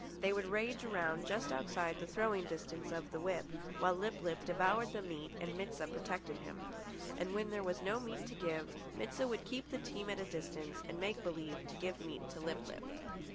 They would rage around just outside the throwing distance of the whip, while Lip lip devoured the meat and Mit sah protected him. And when there was no meat to give, Mit sah would keep the team at a distance and make believe to give meat to Lip lip.